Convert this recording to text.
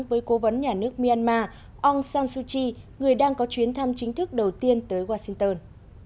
với cố vấn nhà nước myanmar aung san suu kyi người đang có chuyến thăm chính thức đầu tiên tới washington